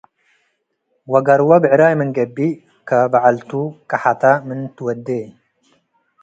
ወገርወ ብዕራይ ምን ገብእ ከበዐልቱ ቀሐተ ምን ትወ’ዴ